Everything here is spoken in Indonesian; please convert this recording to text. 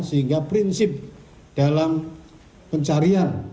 sehingga prinsip dalam pencarian